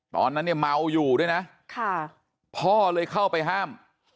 ตอนนั้นเนี่ยเมาอยู่ด้วยนะพ่อเลยเข้าไปห้าม